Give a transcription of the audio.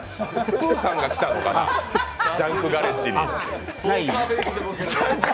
プーさんが来たのかなジャンクガレッジに。